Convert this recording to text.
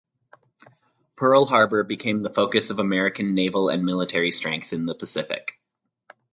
Pearl Harbor became the focus of American naval and military strength in the Pacific.